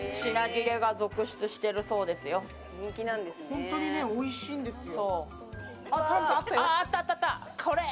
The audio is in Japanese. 本当においしいんですよ。